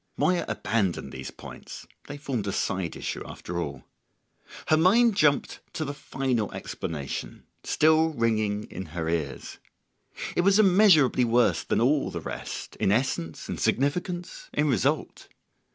Moya abandoned these points; they formed a side issue after all. Her mind jumped to the final explanation still ringing in her ears. It was immeasurably worse than all the rest, in essence, in significance, in result.